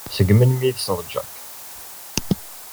Seg melmi ay tessneḍ Jack?